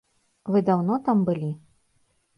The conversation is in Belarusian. Вы даўно там былі?